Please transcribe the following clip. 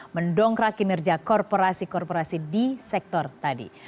mendongkrak kinerja korporasi korporasi di sektor tadi